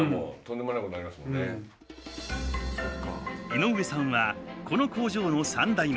井上さんはこの工場の３代目。